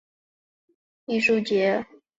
池上秋收稻穗艺术节